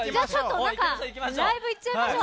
ライブ、いっちゃいましょう。